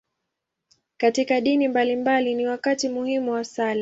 Katika dini mbalimbali, ni wakati muhimu wa sala.